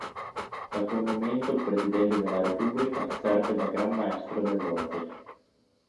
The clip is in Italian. Da quel momento il presidente della Repubblica serve da Gran Maestro dell'Ordine.